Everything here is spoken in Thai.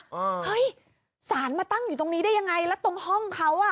อ่าเฮ้ยสารมาตั้งอยู่ตรงนี้ได้ยังไงแล้วตรงห้องเขาอ่ะ